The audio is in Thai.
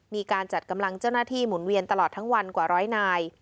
มีการจัดกำลังเจ้าหน้าที่หมุนเวียนตลอดทั้งวันกว่าร้อยนาย